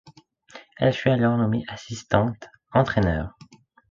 Il fut alors nommé assistant-entraîneur.